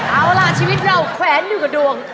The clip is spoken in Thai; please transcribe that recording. เอาล่ะชีวิตเราแขวนอยู่กับดวง